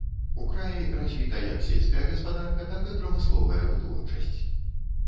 У краі развіта як сельская гаспадарка, так і прамысловая вытворчасць.